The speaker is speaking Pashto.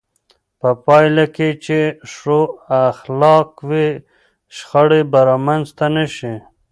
په پایله کې چې ښو اخلاق وي، شخړې به رامنځته نه شي.